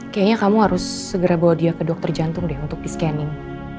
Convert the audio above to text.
kayaknya kamu harus segera bawa dia ke dokter jantung deh untuk di scanning